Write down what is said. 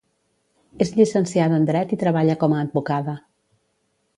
És llicenciada en Dret i treballa com a advocada.